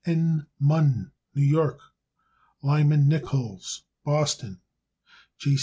N. Munn, New York. Lyman Nichols, Boston, Mass.